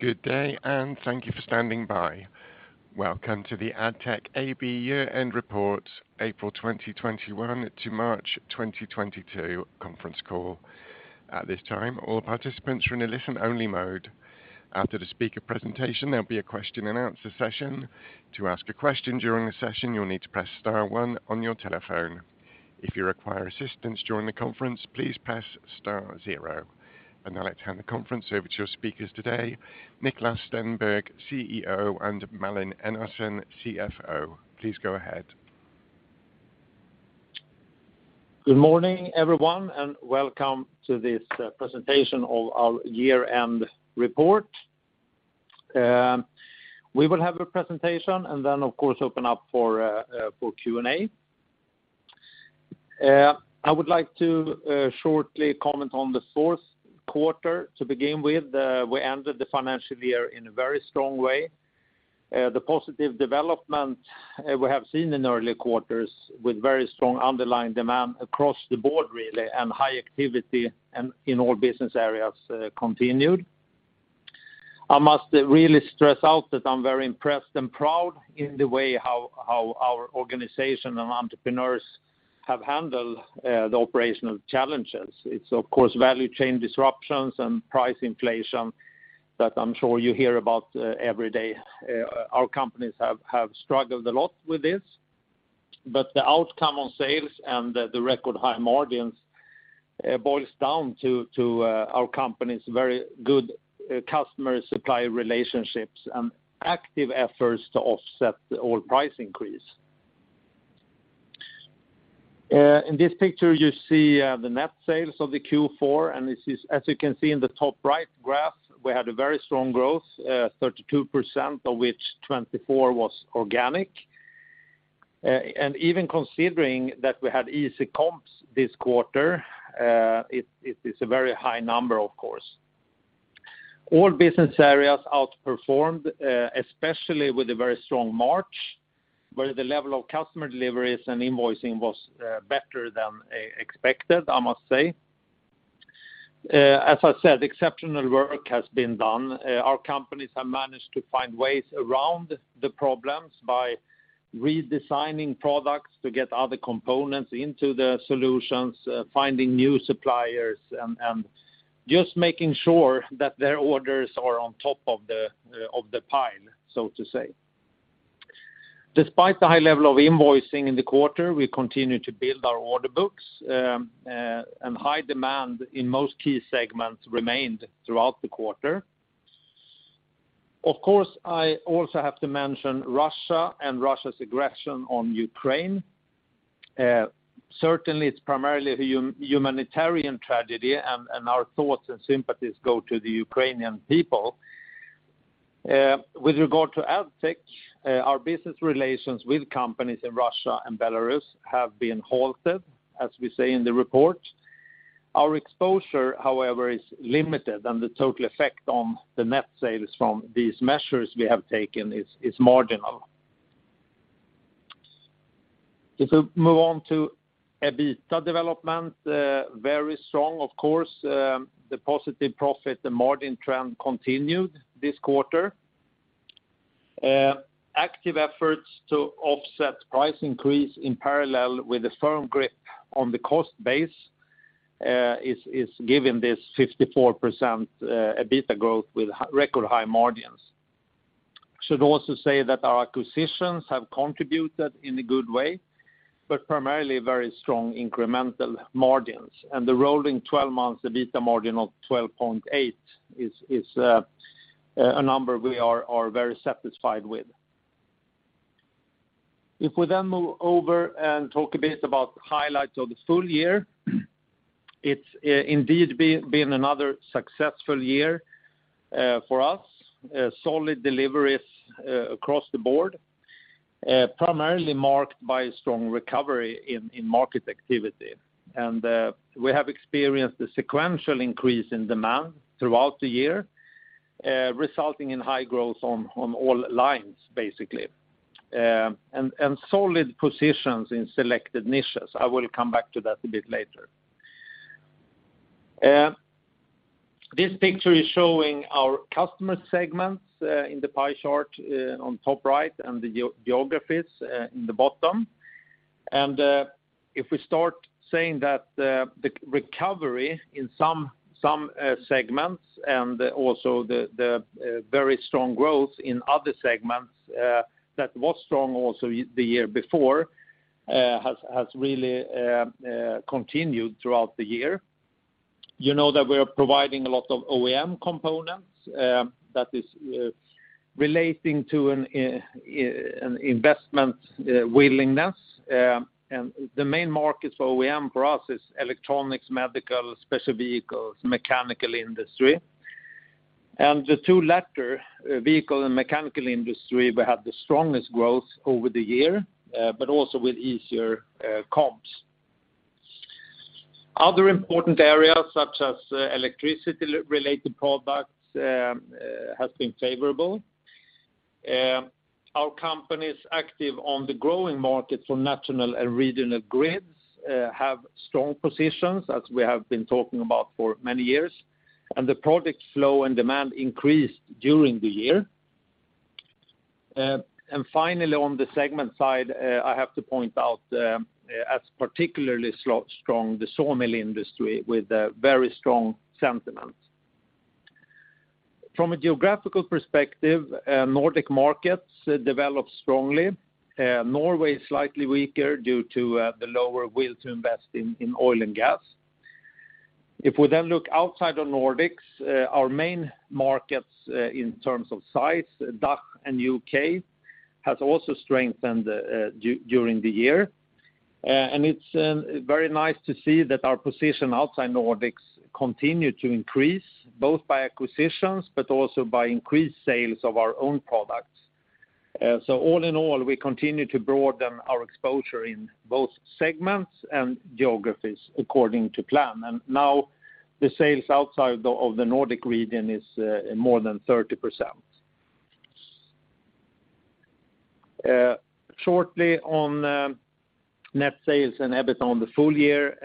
Good day, and thank you for standing by. Welcome to the Addtech AB year-end report, April 2021 to March 2022 conference call. At this time, all participants are in a listen-only mode. After the speaker presentation, there'll be a question and answer session. To ask a question during the session, you'll need to press star one on your telephone. If you require assistance during the conference, please press star zero. Now, let's hand the conference over to your speakers today, Niklas Stenberg, CEO, and Malin Enarson, CFO. Please go ahead. Good morning, everyone, and welcome to this presentation of our year-end report. We will have a presentation, and then of course open up for Q&A. I would like to shortly comment on the fourth quarter to begin with. We ended the financial year in a very strong way. The positive development we have seen in earlier quarters with very strong underlying demand across the board really, and high activity in all business areas continued. I must really stress that I'm very impressed and proud in the way how our organization and entrepreneurs have handled the operational challenges. It's of course value chain disruptions and price inflation that I'm sure you hear about every day. Our companies have struggled a lot with this. The outcome on sales and the record high margins boils down to our company's very good customer-supplier relationships and active efforts to offset the oil price increase. In this picture, you see the net sales of the Q4, and this is. As you can see in the top right graph, we had a very strong growth 32%, of which 24% was organic. Even considering that we had easy comps this quarter, it is a very high number of course. All business areas outperformed, especially with a very strong March, where the level of customer deliveries and invoicing was better than expected, I must say. As I said, exceptional work has been done. Our companies have managed to find ways around the problems by redesigning products to get other components into the solutions, finding new suppliers and just making sure that their orders are on top of the pile, so to say. Despite the high level of invoicing in the quarter, we continue to build our order books, and high demand in most key segments remained throughout the quarter. Of course, I also have to mention Russia and Russia's aggression on Ukraine. Certainly it's primarily a humanitarian tragedy and our thoughts and sympathies go to the Ukrainian people. With regard to Addtech, our business relations with companies in Russia and Belarus have been halted, as we say in the report. Our exposure, however, is limited, and the total effect on the net sales from these measures we have taken is marginal. If we move on to EBITDA development, very strong of course. The positive profit margin trend continued this quarter. Active efforts to offset price increase in parallel with a firm grip on the cost base is giving this 54% EBITDA growth with record high margins. Should also say that our acquisitions have contributed in a good way, but primarily very strong incremental margins. The rolling 12 months EBITDA margin of 12.8% is a number we are very satisfied with. If we then move over and talk a bit about highlights of the full year, it's indeed been another successful year for us. Solid deliveries across the board, primarily marked by a strong recovery in market activity. We have experienced a sequential increase in demand throughout the year, resulting in high growth on all lines, basically. Solid positions in selected niches. I will come back to that a bit later. This picture is showing our customer segments in the pie chart on top right and the geographies in the bottom. If we start saying that the recovery in some segments and also the very strong growth in other segments that was strong also the year before has really continued throughout the year. You know that we are providing a lot of OEM components that is relating to an investment willingness. The main markets for OEM for us is electronics, medical, special vehicles, mechanical industry. The two latter, vehicle and mechanical industry, we had the strongest growth over the year, but also with easier comps. Other important areas such as electrification-related products has been favorable. Our companies are active on the growing market for national and regional grids and have strong positions as we have been talking about for many years, and the product flow and demand increased during the year. Finally, on the segment side, I have to point out as particularly strong the sawmill industry with a very strong sentiment. From a geographical perspective, Nordic markets developed strongly. Norway is slightly weaker due to the lower will to invest in oil and gas. If we then look outside the Nordics, our main markets, in terms of size, DACH and U.K., has also strengthened during the year. It's very nice to see that our position outside Nordics continue to increase both by acquisitions, but also by increased sales of our own products. All in all, we continue to broaden our exposure in both segments and geographies according to plan. Now the sales outside of the Nordic region is more than 30%. Shortly on net sales and EBIT on the full year,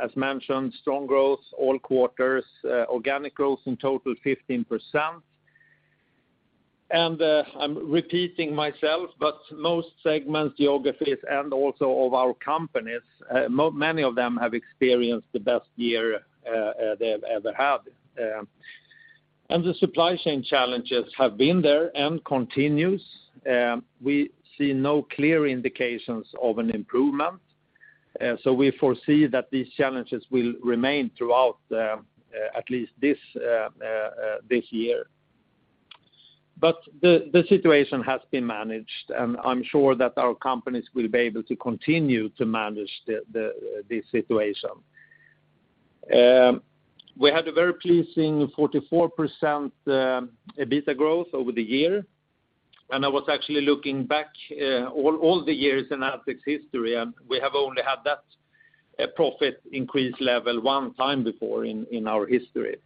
as mentioned, strong growth all quarters, organic growth in total 15%. I'm repeating myself, but most segments, geographies, and also of our companies, many of them have experienced the best year they have ever had. The supply chain challenges have been there and continues. We see no clear indications of an improvement, so we foresee that these challenges will remain throughout at least this year. The situation has been managed, and I'm sure that our companies will be able to continue to manage the situation. We had a very pleasing 44% EBITDA growth over the year, and I was actually looking back all the years in Addtech's history, and we have only had that profit increase level one time before in our history.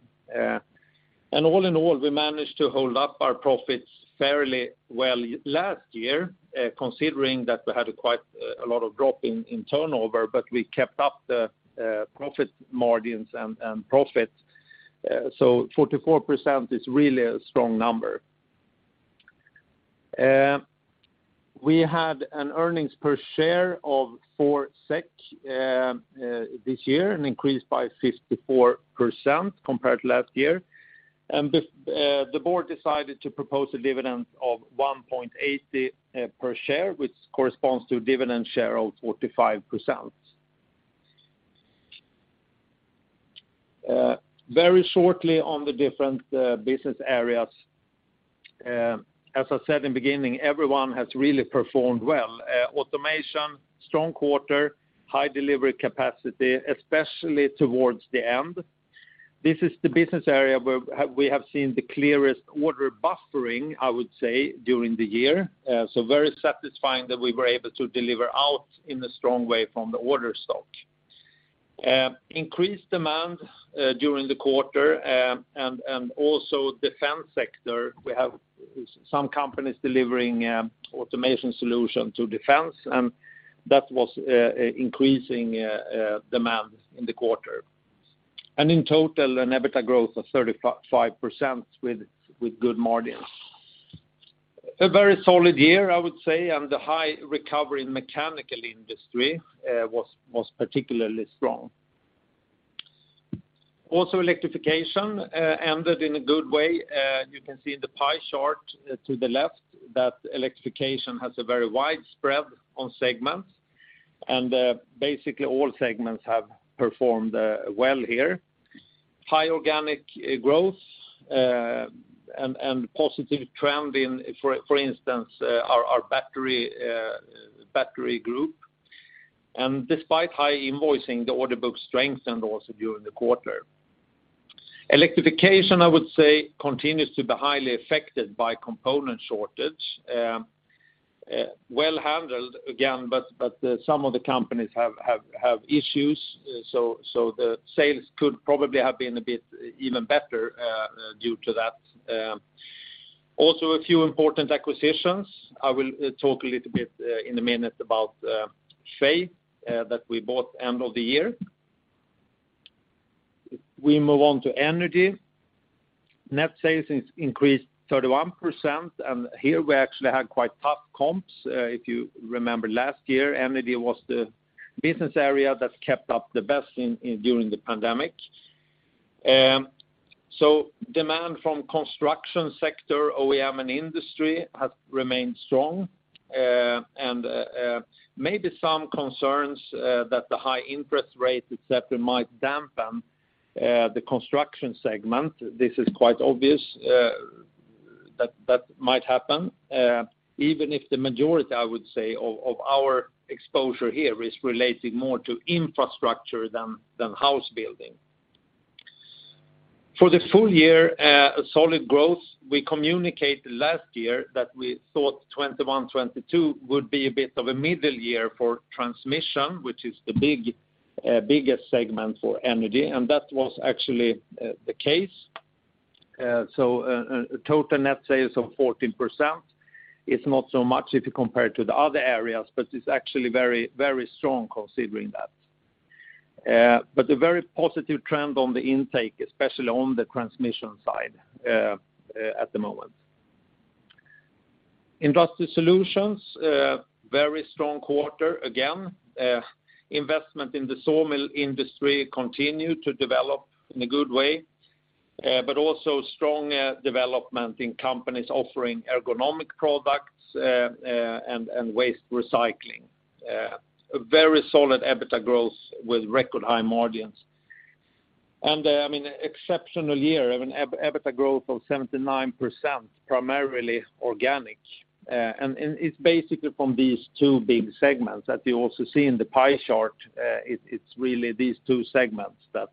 All in all, we managed to hold up our profits fairly well last year, considering that we had quite a lot of drop in turnover, but we kept up the profit margins and profits. 44% is really a strong number. We had an earnings per share of 4 SEK this year, an increase by 54% compared to last year. The board decided to propose a dividend of 1.80 per share, which corresponds to dividend share of 45%. Very shortly on the different business areas. As I said in beginning, everyone has really performed well. Automation, strong quarter, high delivery capacity, especially towards the end. This is the business area where we have seen the clearest order buffering, I would say, during the year. Very satisfying that we were able to deliver out in a strong way from the order stock. Increased demand during the quarter, and also defense sector, we have some companies delivering automation solution to defense, and that was increasing demand in the quarter. In total, an EBITDA growth of 35% with good margins. A very solid year, I would say, and the high recovery in mechanical industry was particularly strong. Also, electrification ended in a good way. You can see in the pie chart to the left that electrification has a very wide spread on segments, and basically all segments have performed well here. High organic growth and positive trend in, for instance, our battery group. Despite high invoicing, the order book strengthened also during the quarter. Electrification, I would say, continues to be highly affected by component shortage. Well handled again, but some of the companies have issues. So the sales could probably have been a bit even better due to that. Also a few important acquisitions. I will talk a little bit in a minute about Schade that we bought end of the year. If we move on to energy, net sales is increased 31%, and here we actually had quite tough comps. If you remember last year, energy was the business area that kept up the best during the pandemic. Demand from construction sector, OEM and industry has remained strong. Maybe some concerns that the high interest rate, et cetera, might dampen the construction segment. This is quite obvious that it might happen, even if the majority, I would say, of our exposure here is relating more to infrastructure than house building. For the full year, a solid growth, we communicated last year that we thought 2021, 2022 would be a bit of a middle year for transmission, which is the bigger segment for Energy, and that was actually the case. Total net sales of 14% is not so much if you compare to the other areas, but it's actually very, very strong considering that. A very positive trend on the intake, especially on the transmission side, at the moment. Industrial Solutions, very strong quarter again. Investment in the sawmill industry continues to develop in a good way, but also strong development in companies offering ergonomic products, and waste recycling. A very solid EBITDA growth with record high margins. I mean, exceptional year of an EBITDA growth of 79%, primarily organic. It's basically from these two big segments that you also see in the pie chart. It's really these two segments that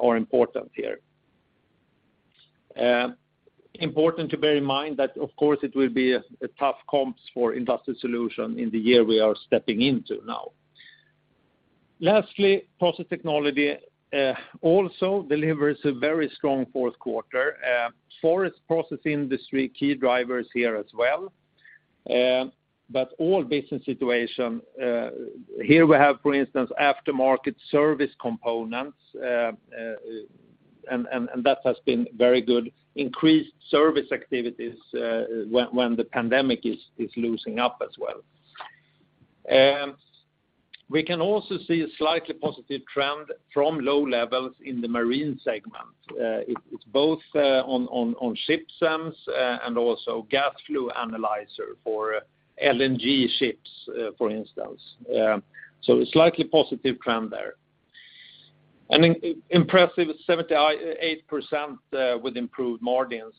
are important here. Important to bear in mind that, of course, it will be a tough comps for Industrial Solutions in the year we are stepping into now. Lastly, Process Technology also delivers a very strong fourth quarter. Forest processing industry, key drivers here as well. Overall business situation, here we have, for instance, aftermarket service components, and that has been very good. Increased service activities, when the pandemic is easing up as well. We can also see a slightly positive trend from low levels in the marine segment. It's both on ShipCEMS and also gas flow analyzer for LNG ships, for instance. A slightly positive trend there. Impressive 78% with improved margins.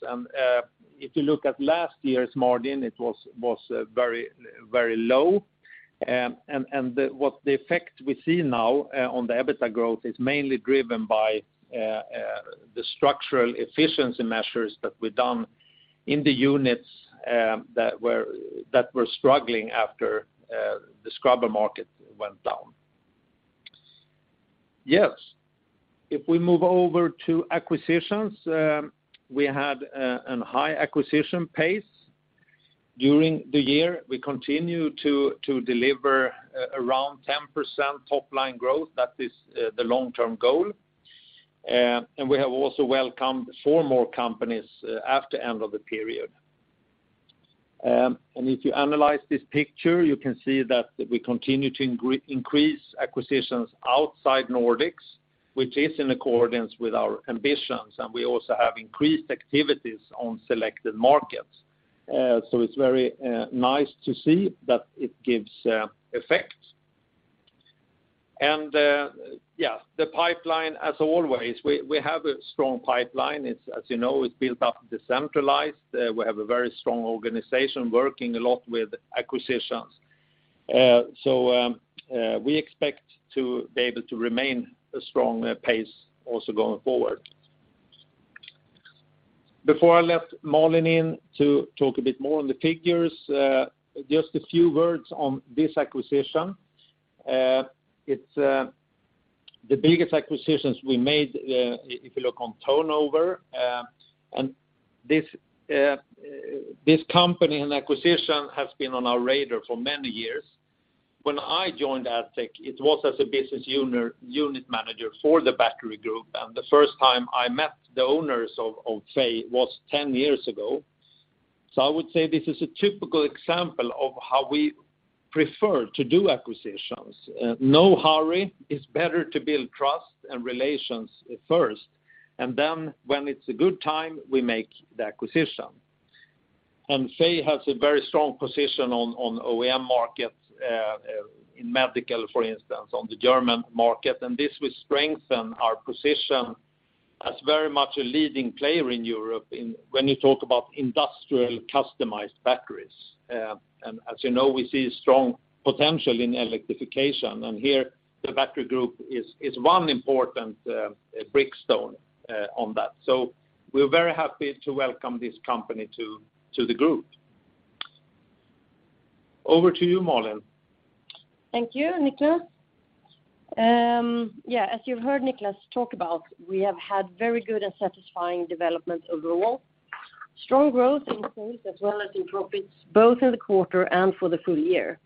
If you look at last year's margin, it was very low. The effect we see now on the EBITDA growth is mainly driven by the structural efficiency measures that we've done in the units that were struggling after the scrubber market went down. Yes, if we move over to acquisitions, we had a high acquisition pace. During the year, we continue to deliver around 10% top line growth. That is the long-term goal. We have also welcomed four more companies after end of the period. If you analyze this picture, you can see that we continue to increase acquisitions outside Nordics, which is in accordance with our ambitions, and we also have increased activities on selected markets. It's very nice to see that it gives effect. As always, we have a strong pipeline. As you know, it's built up decentralized. We have a very strong organization working a lot with acquisitions. We expect to be able to remain a strong pace also going forward. Before I let Malin in to talk a bit more on the figures, just a few words on this acquisition. It's the biggest acquisitions we made, if you look on turnover, and this company and acquisition has been on our radar for many years. When I joined Addtech, it was as a business unit manager for the battery group, and the first time I met the owners of Fey was 10 years ago. I would say this is a typical example of how we prefer to do acquisitions. No hurry. It's better to build trust and relations first, and then when it's a good time, we make the acquisition. Fey has a very strong position on OEM markets in medical, for instance, on the German market, and this will strengthen our position as very much a leading player in Europe in when you talk about industrial customized batteries. As you know, we see strong potential in electrification, and here the battery group is one important keystone on that. We're very happy to welcome this company to the group. Over to you, Malin. Thank you, Niklas. As you've heard Niklas talk about, we have had very good and satisfying development overall. Strong growth in sales as well as in profits, both in the quarter and for the full year.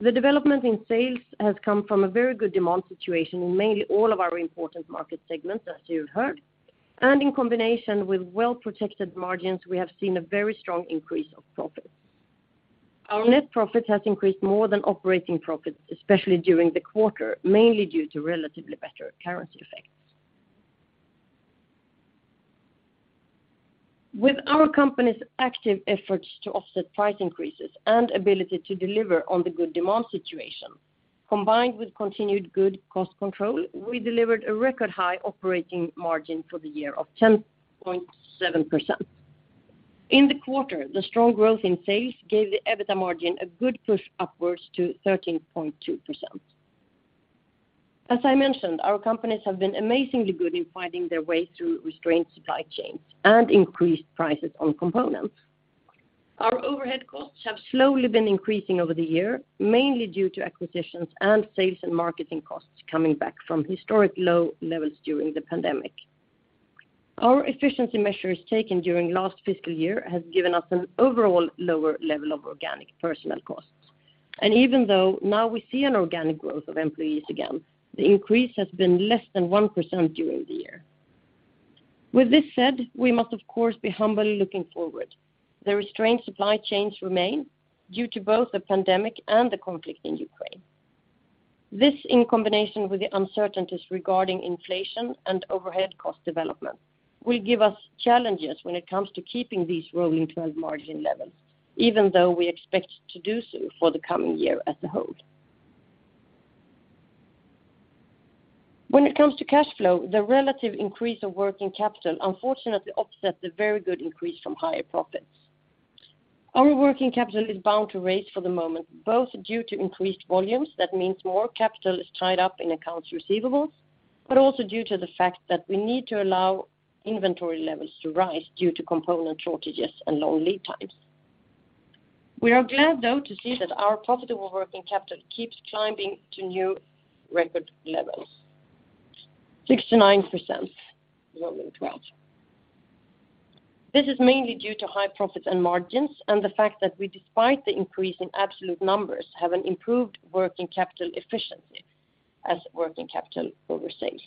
The development in sales has come from a very good demand situation in mainly all of our important market segments, as you've heard. In combination with well-protected margins, we have seen a very strong increase of profits. Our net profit has increased more than operating profits, especially during the quarter, mainly due to relatively better currency effects. With our company's active efforts to offset price increases and ability to deliver on the good demand situation, combined with continued good cost control, we delivered a record high operating margin for the year of 10.7%. In the quarter, the strong growth in sales gave the EBITDA margin a good push upwards to 13.2%. As I mentioned, our companies have been amazingly good in finding their way through restrained supply chains and increased prices on components. Our overhead costs have slowly been increasing over the year, mainly due to acquisitions and sales and marketing costs coming back from historic low levels during the pandemic. Our efficiency measures taken during last fiscal year has given us an overall lower level of organic personnel costs. Even though now we see an organic growth of employees again, the increase has been less than 1% during the year. With this said, we must of course be humbly looking forward. The restrained supply chains remain due to both the pandemic and the conflict in Ukraine. This, in combination with the uncertainties regarding inflation and overhead cost development, will give us challenges when it comes to keeping these rolling twelve margin levels, even though we expect to do so for the coming year as a whole. When it comes to cash flow, the relative increase of working capital unfortunately offsets the very good increase from higher profits. Our working capital is bound to rise for the moment, both due to increased volumes, that means more capital is tied up in accounts receivable, but also due to the fact that we need to allow inventory levels to rise due to component shortages and long lead times. We are glad, though, to see that our profitable working capital keeps climbing to new record levels, 69% rolling twelve. This is mainly due to high profits and margins, and the fact that we, despite the increase in absolute numbers, have an improved working capital efficiency as working capital over sales.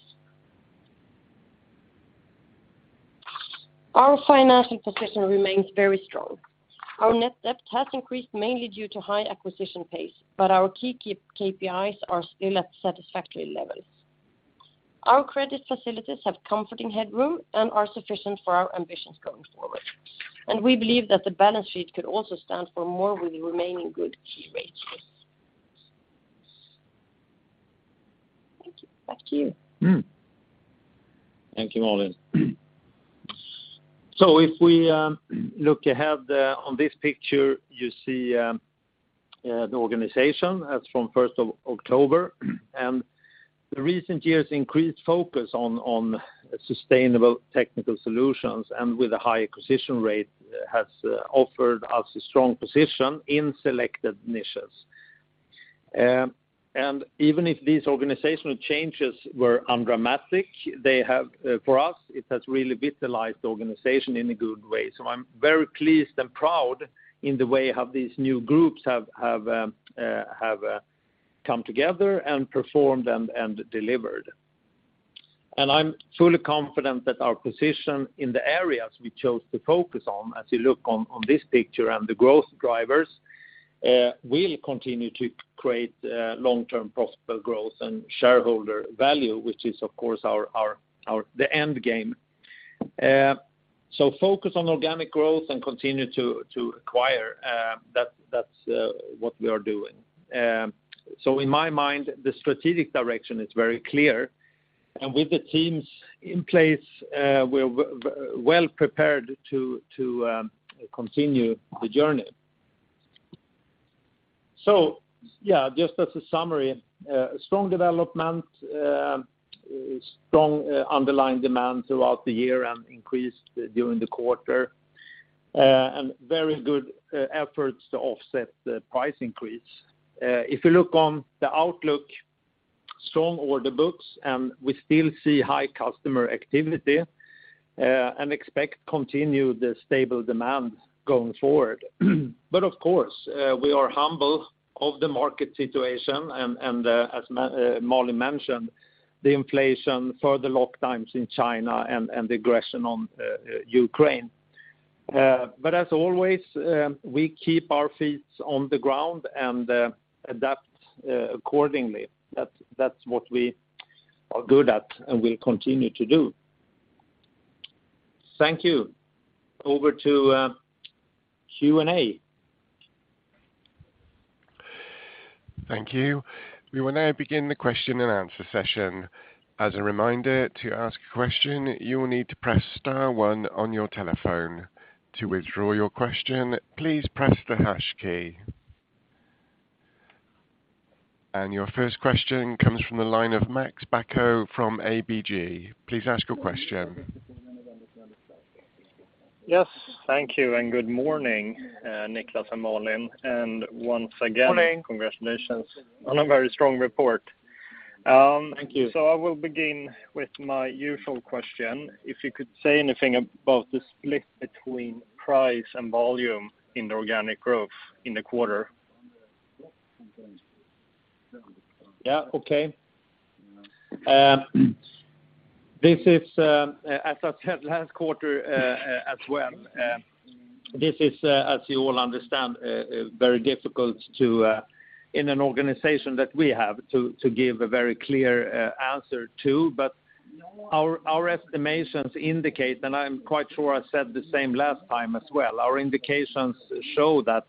Our financial position remains very strong. Our net debt has increased mainly due to high acquisition pace, but our KPIs are still at satisfactory levels. Our credit facilities have comforting headroom and are sufficient for our ambitions going forward. We believe that the balance sheet could also stand for more with remaining good key ratios. Thank you. Back to you. Thank you, Malin. If we look ahead on this picture, you see the organization as from first of October. The recent years increased focus on sustainable technical solutions and with a high acquisition rate has offered us a strong position in selected niches. Even if these organizational changes were undramatic, for us it has really vitalized the organization in a good way. I'm very pleased and proud in the way how these new groups have come together and performed and delivered. I'm fully confident that our position in the areas we chose to focus on, as you look on this picture and the growth drivers, will continue to create long-term profitable growth and shareholder value, which is of course our end game. Focus on organic growth and continue to acquire, that's what we are doing. In my mind, the strategic direction is very clear. With the teams in place, we're well prepared to continue the journey. Yeah, just as a summary, strong development, strong underlying demand throughout the year and increased during the quarter, and very good efforts to offset the price increase. If you look on the outlook, strong order books, and we still see high customer activity, and expect continued stable demand going forward. Of course, we are humble of the market situation and, as Malin mentioned, the inflation, further lockdowns in China, and the aggression on Ukraine. As always, we keep our feet on the ground and adapt accordingly. That's what we are good at and will continue to do. Thank you. Over to Q&A. Thank you. We will now begin the question and answer session. As a reminder, to ask a question, you will need to press star one on your telephone. To withdraw your question, please press the hash key. Your first question comes from the line of Max Gabriel from ABG. Please ask your question. Yes. Thank you and good morning, Niklas and Malin. Once again- Morning. Congratulations on a very strong report. Thank you. I will begin with my usual question. If you could say anything about the split between price and volume in the organic growth in the quarter? Yeah. Okay. This is, as I said last quarter, as well, as you all understand, very difficult, in an organization that we have, to give a very clear answer to. But our estimations indicate, and I'm quite sure I said the same last time as well, our indications show that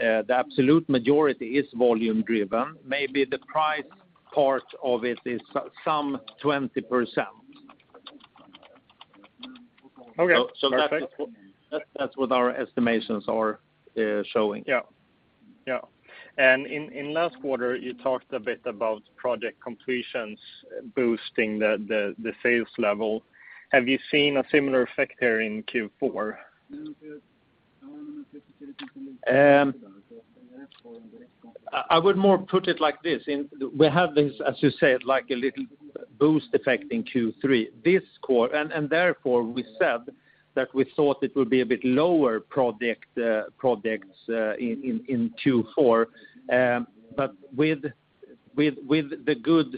the absolute majority is volume driven. Maybe the price part of it is some 20%. Okay. Perfect. That's what our estimations are showing. Yeah. In last quarter, you talked a bit about project completions boosting the sales level. Have you seen a similar effect there in Q4? I would more put it like this. We have this, as you said, like a little boost effect in Q3 this quarter, and therefore we said that we thought it would be a bit lower projects in Q4. With the goods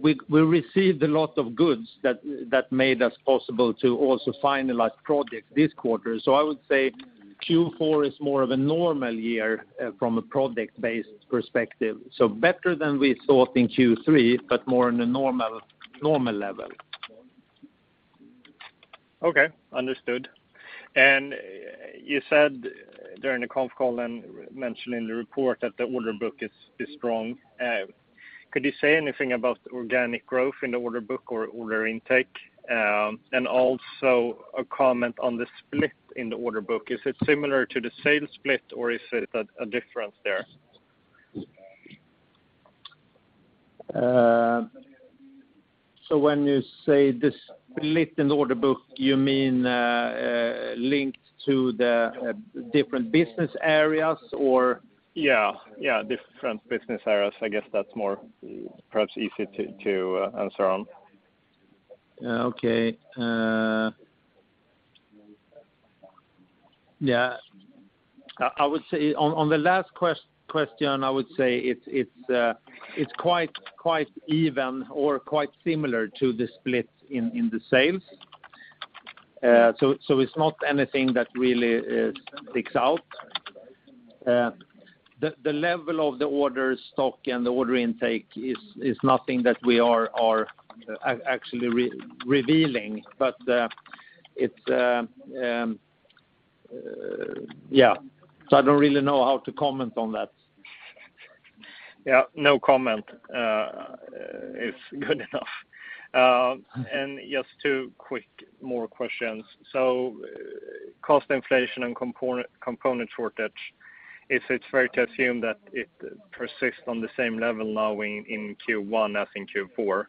we received a lot of goods that made it possible to also finalize projects this quarter. I would say Q4 is more of a normal year from a project-based perspective, so better than we thought in Q3 but more on a normal level. Okay, understood. You said during the conference call and mentioned in the report that the order book is strong. Could you say anything about organic growth in the order book or order intake? Also a comment on the split in the order book, is it similar to the sales split, or is it a difference there? When you say the split in the order book, you mean, linked to the different business areas, or? Yeah, different business areas. I guess that's more perhaps easy to answer on. Okay. Yeah. I would say on the last question, it's quite even or quite similar to the split in the sales. So it's not anything that really sticks out. The level of the order stock and the order intake is nothing that we are actually revealing. It's yeah, so I don't really know how to comment on that. Yeah, no comment is good enough. Just two quick more questions. Cost inflation and component shortage, is it fair to assume that it persists on the same level now in Q1 as in Q4?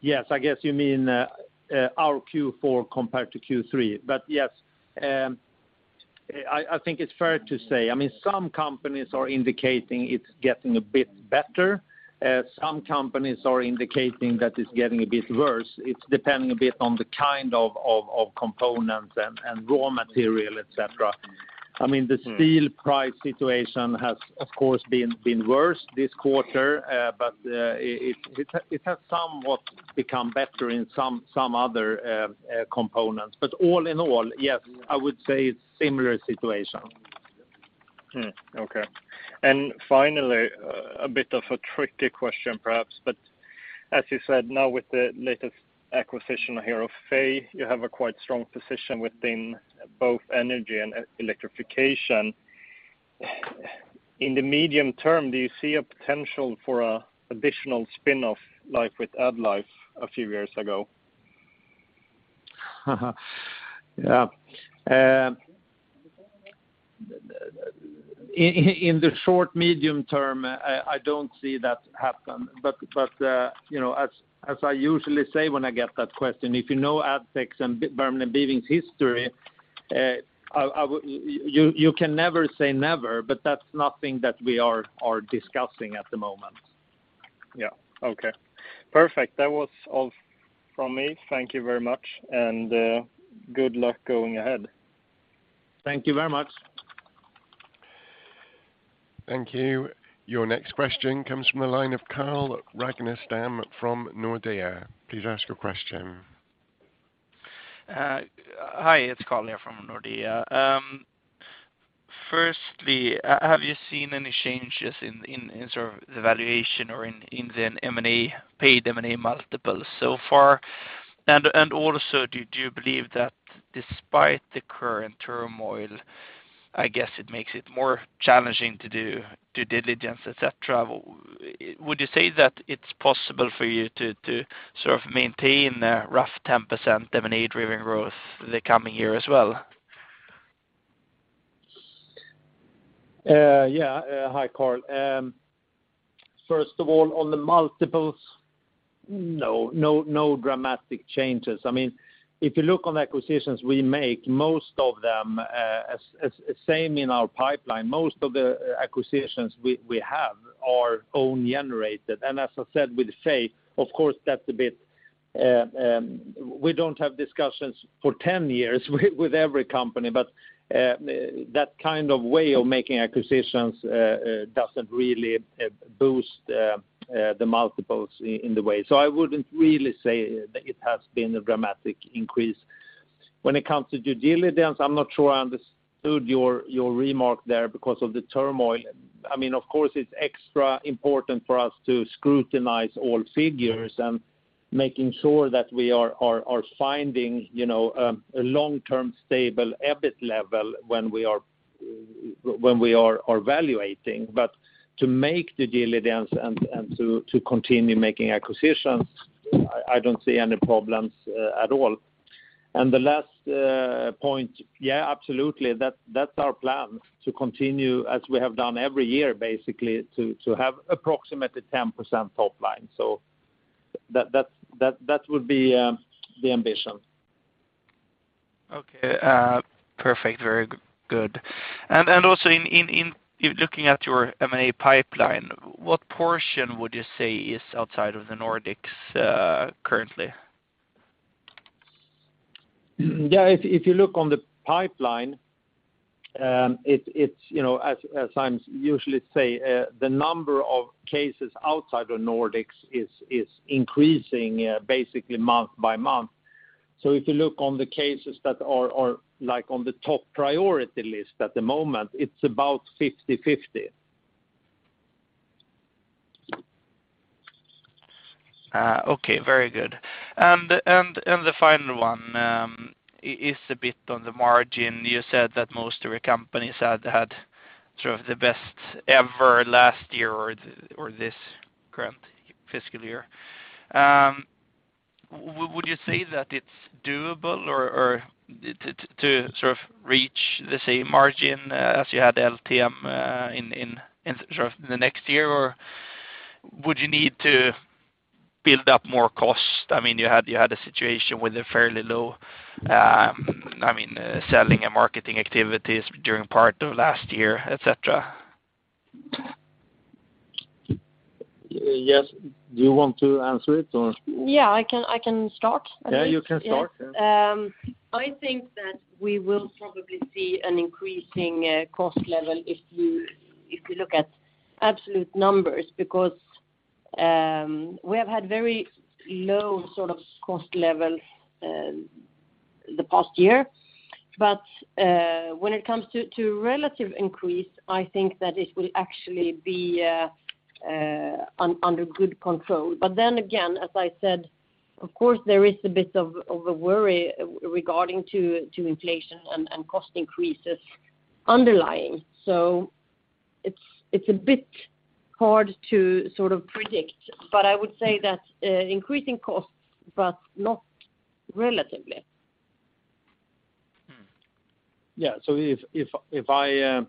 Yes, I guess you mean our Q4 compared to Q3, yes, I think it's fair to say. I mean, some companies are indicating it's getting a bit better. Some companies are indicating that it's getting a bit worse. It's depending a bit on the kind of components and raw material, et cetera. I mean, the steel price situation has of course been worse this quarter, but it has somewhat become better in some other components. All in all, yes, I would say it's similar situation. Okay. Finally, a bit of a tricky question perhaps, but as you said, now with the latest acquisition here of Fey, you have a quite strong position within both Energy and Electrification. In the medium term, do you see a potential for an additional spinoff like with AddLife a few years ago? Yeah. In the short-medium term, I don't see that happen. But you know, as I usually say when I get that question, if you know Addtech's and Bergman & Beving's history, you can never say never, but that's nothing that we are discussing at the moment. Yeah, okay. Perfect. That was all from me. Thank you very much, and good luck going ahead. Thank you very much. Thank you. Your next question comes from the line of Carl Ragnerstam from Nordea. Please ask your question. Hi, it's Carl here from Nordea. Firstly, have you seen any changes in sort of the valuation or in the M&A paid M&A multiples so far? Also, do you believe that despite the current turmoil, I guess it makes it more challenging to do due diligence, et cetera. Would you say that it's possible for you to sort of maintain a rough 10% M&A-driven growth the coming year as well? Yeah. Hi, Carl. First of all, on the multiples, no dramatic changes. I mean, if you look on acquisitions we make, most of them, as same in our pipeline, most of the acquisitions we have are own generated. As I said with Fey, of course, that's a bit, we don't have discussions for 10 years with every company. That kind of way of making acquisitions doesn't really boost the multiples in the way. I wouldn't really say that it has been a dramatic increase. When it comes to due diligence, I'm not sure I understood your remark there because of the turmoil. I mean, of course, it's extra important for us to scrutinize all figures and making sure that we are finding, you know, a long-term stable EBIT level when we are valuating. But to make the due diligence and to continue making acquisitions, I don't see any problems at all. The last point, yeah, absolutely. That's our plan to continue as we have done every year, basically, to have approximately 10% top line. That would be the ambition. Okay. Perfect. Very good. Also in looking at your M&A pipeline, what portion would you say is outside of the Nordics, currently? Yeah, if you look on the pipeline, it's, you know, as I usually say, the number of cases outside the Nordics is increasing, basically month by month. If you look on the cases that are like on the top priority list at the moment, it's about 50/50. Okay. Very good. The final one is a bit on the margin. You said that most of your companies had sort of the best ever last year or this current fiscal year. Would you say that it's doable or to sort of reach the same margin as you had LTM in sort of the next year? Or would you need to build up more cost? I mean, you had a situation with a fairly low, I mean, selling and marketing activities during part of last year, et cetera. Yes. Do you want to answer it or? Yeah, I can start. Yeah, you can start. I think that we will probably see an increasing cost level if you look at absolute numbers, because we have had very low sort of cost levels the past year. When it comes to relative increase, I think that it will actually be under good control. Then again, as I said, of course, there is a bit of a worry regarding to inflation and cost increases underlying. It's a bit hard to sort of predict, but I would say that increasing costs, but not relatively. Hmm. Yeah. If I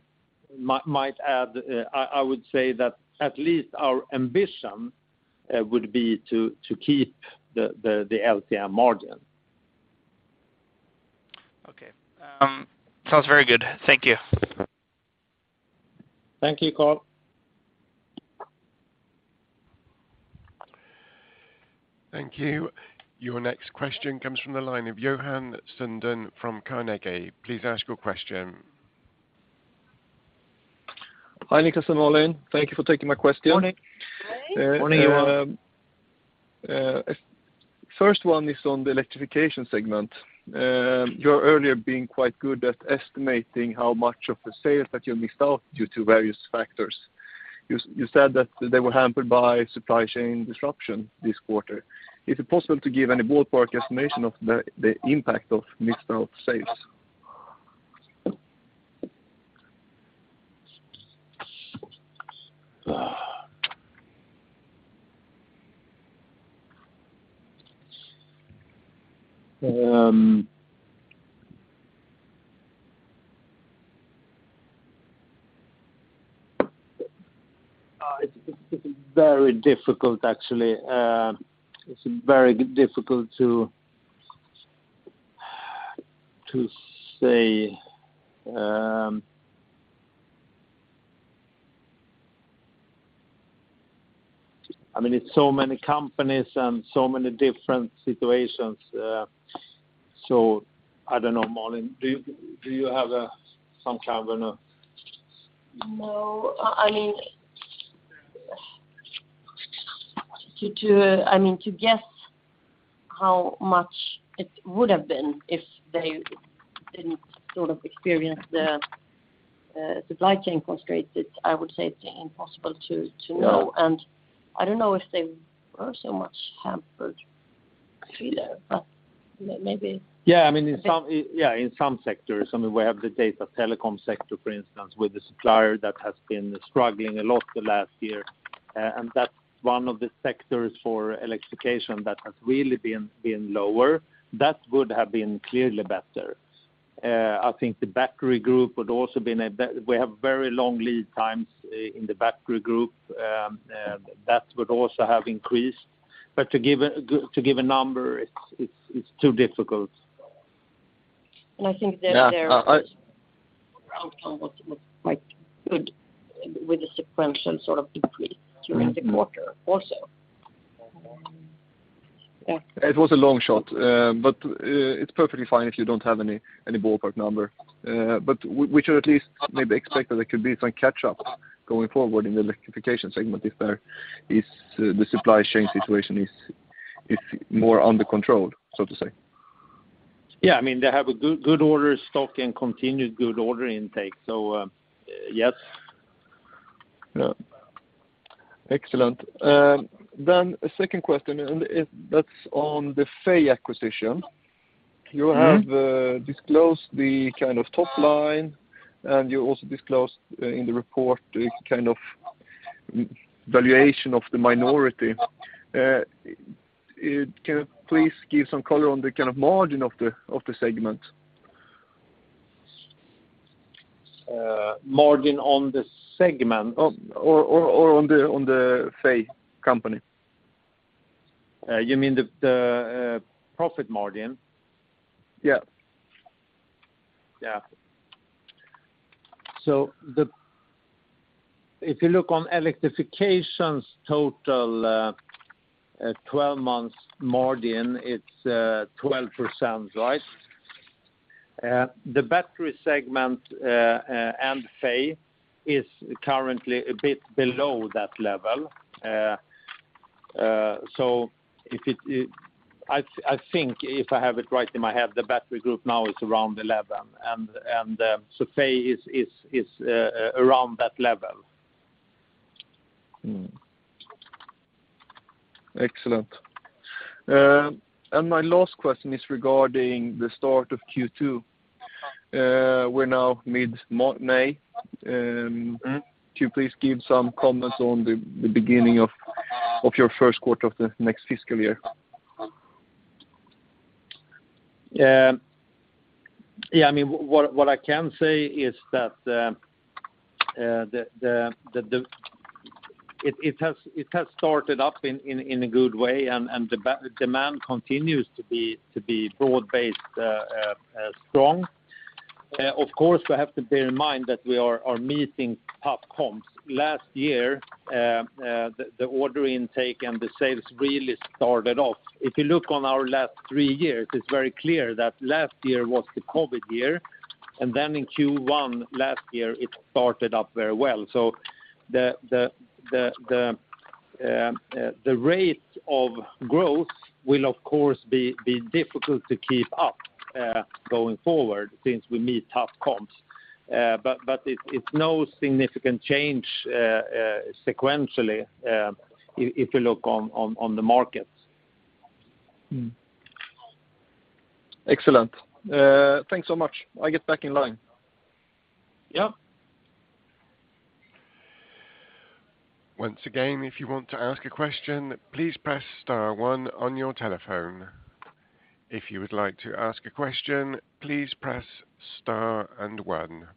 might add, I would say that at least our ambition would be to keep the LTM margin. Okay. Sounds very good. Thank you. Thank you, Karl. Thank you. Your next question comes from the line of Johan Sundén from Carnegie. Please ask your question. Hi, Niklas and Malin. Thank you for taking my question. Morning. Morning. Morning, Johan. First one is on the Electrification segment. You're earlier being quite good at estimating how much of the sales that you missed out due to various factors. You said that they were hampered by supply chain disruption this quarter. Is it possible to give any ballpark estimation of the impact of missed out sales? It's very difficult actually. It's very difficult to say. I mean, it's so many companies and so many different situations. I don't know. Malin, do you have some kind of a? No. I mean, to guess how much it would have been if they didn't sort of experience the supply chain constraints, it's I would say it's impossible to know. I don't know if they were so much hampered either, but maybe. Yeah, I mean, in some sectors, I mean, we have the data telecom sector, for instance, with the supplier that has been struggling a lot the last year. That's one of the sectors for Electrification that has really been lower. That would have been clearly better. I think the battery group would also have been. We have very long lead times in the battery group. That would also have increased. But to give a number, it's too difficult. I think their Yeah. Outcome was quite good with the sequential sort of decrease during the quarter also. Yeah. It was a long shot. It's perfectly fine if you don't have any ballpark number. Which are at least maybe expect that there could be some catch up going forward in the Electrification segment if the supply chain situation is more under control, so to say. Yeah. I mean, they have a good order stock and continued good order intake. Yes. Yeah. Excellent. A second question. That's on the Fey acquisition. Mm-hmm. You have disclosed the kind of top line, and you also disclosed in the report the kind of valuation of the minority. Can you please give some color on the kind of margin of the segment? Margin on the segment? on the Fey company. You mean the profit margin? Yeah. Yeah. If you look on Electrification's total 12-month margin, it's 12%, right? The battery segment and Fey is currently a bit below that level. I think if I have it right in my head, the battery group now is around 11% and so Fey is around that level. Excellent. My last question is regarding the start of Q2. We're now mid-May. Mm. Could you please give some comments on the beginning of your first quarter of the next fiscal year? Yeah, I mean, what I can say is that it has started up in a good way, and the demand continues to be broad-based, strong. Of course, we have to bear in mind that we are meeting tough comps. Last year, the order intake and the sales really started off. If you look at our last three years, it is very clear that last year was the COVID year, and then in Q1 last year, it started up very well. The rate of growth will of course be difficult to keep up going forward since we meet tough comps. It's no significant change sequentially, if you look on the markets. Excellent. Thanks so much. I get back in line. Yeah. Once again, if you want to ask a question, please press star one on your telephone. If you would like to ask a question, please press star and one.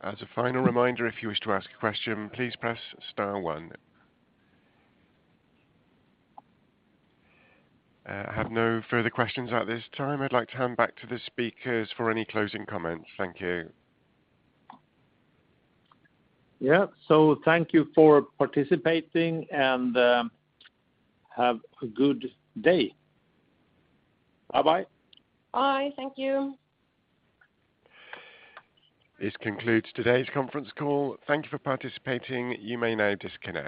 As a final reminder, if you wish to ask a question, please press star one. I have no further questions at this time. I'd like to hand back to the speakers for any closing comments. Thank you. Yeah. Thank you for participating, and, have a good day. Bye-bye. Bye. Thank you. This concludes today's conference call. Thank you for participating. You may now disconnect.